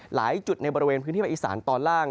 หลายจุดในบริเวณพื้นที่ภาคอีสานตอนล่าง